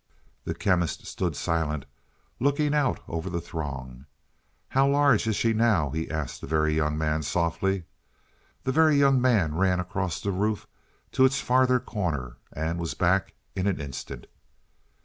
The Chemist stood silent, looking out over the throng. "How large is she now?" he asked the Very Young Man softly. The Very Young Man ran across the roof to its farther corner and was back in an instant.